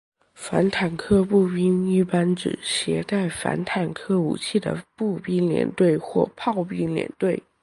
反坦克步兵一般指携带反坦克武器的步兵连队或炮兵连队。